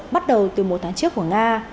bắt đầu từ một tháng trước của nga